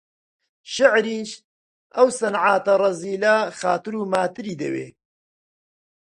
شیعریش، ئەو سنعاتە ڕەزیلە خاتر و ماتری دەوێ؟